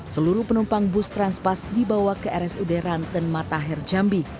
seluruh penumpang bus trans pas dibawa ke rsud ranten matahari